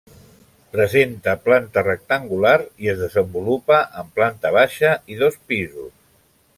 Presenta planta rectangular i es desenvolupa en planta baixa i dos pisos.